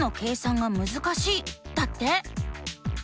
だって。